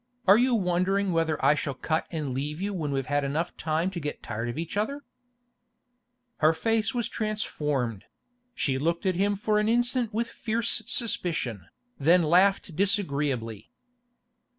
'Are you wondering whether I shall cut and leave you when we've had time to get tired of each other?' Her face was transformed; she looked at him for an instant with fierce suspicion, then laughed disagreeably.